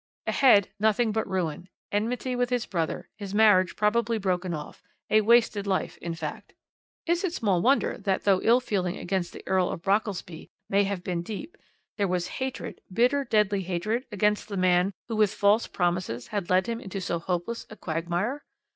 Ahead nothing but ruin, enmity with his brother, his marriage probably broken off, a wasted life, in fact. "Is it small wonder that, though ill feeling against the Earl of Brockelsby may have been deep, there was hatred, bitter, deadly hatred against the man who with false promises had led him into so hopeless a quagmire?